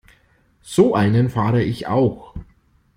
So einen fahre ich auch.